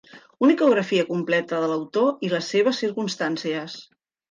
Una ecografia completa de l'autor i les seves circumstàncies.